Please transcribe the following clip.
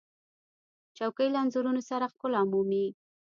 چوکۍ له انځورونو سره ښکلا مومي.